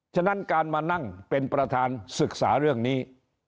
ฉะนั้นการมานั่งเป็นประธานศึกษาเรื่องนี้